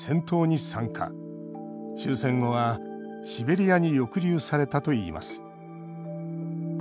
終戦後はシベリアに抑留されたといいます。